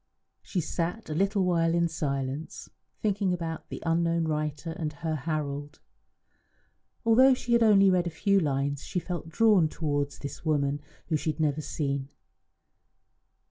She sat a little while in silence, thinking about the unknown writer and her Harold. Although she had read only a few lines, she felt drawn towards this woman whom she had never seen.